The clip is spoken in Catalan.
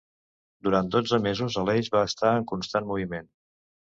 Durant dotze mesos Aleix va estar en constant moviment.